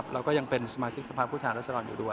เราก็ยังเป็นสมาชิกสภาพผู้ทางรัฐสรรวรรค์อยู่ด้วย